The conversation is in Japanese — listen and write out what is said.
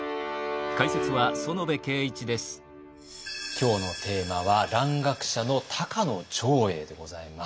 今日のテーマは蘭学者の「高野長英」でございます。